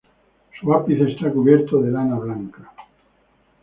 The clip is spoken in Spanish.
Su ápice está cubierto de lana blanca.